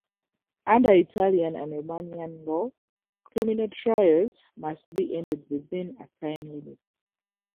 Under Italian and Romanian law, criminal trials must be ended within a time limit.